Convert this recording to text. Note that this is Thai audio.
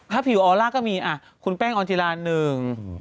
ถ้าผิวออร่าก็มีคุณแป้งอนฏิราณหนึ่ง